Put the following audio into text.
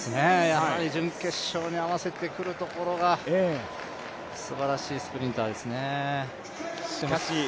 やはり準決勝に合わせてくるところがすばらしいスプリンターですね。